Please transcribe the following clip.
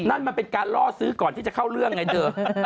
นั่นมันเป็นการล่อซื้อก่อนที่จะเข้าเรื่องไงเธอ